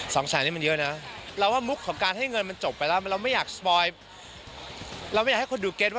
สองแสดงมันเยอะนะ